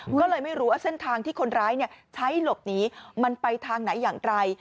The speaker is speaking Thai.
ก็เลยไม่รู้ว่าเส้นทางที่คนร้ายใช้หลบหนีมันไปทางไหนอย่างไร